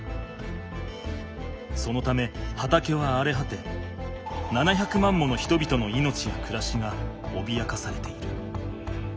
そのため畑はあれはて７００万もの人々の命やくらしがおびやかされている。